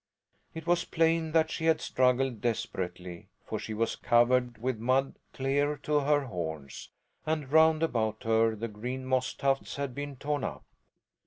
It was plain that she had struggled desperately for she was covered with mud clear to her horns, and round about her the green moss tufts had been torn up.